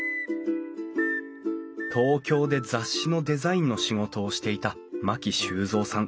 東京で雑誌のデザインの仕事をしていた牧修三さん知子さん夫妻。